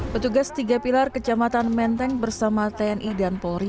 petugas tiga pilar kecamatan menteng bersama tni dan polri